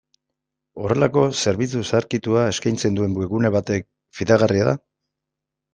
Horrelako zerbitzu zaharkitua eskaintzen duen webgune batek fidagarria da?